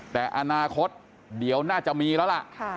แต่อนาคตเดี๋ยวน่าจะมีแล้วล่ะ